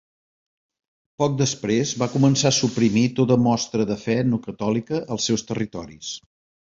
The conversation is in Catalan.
Poc després, va començar a suprimir tota mostra de fe no catòlica als seus territoris.